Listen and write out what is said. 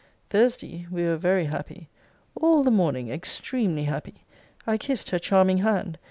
Thursday we were very happy. All the morning extremely happy. I kissed her charming hand.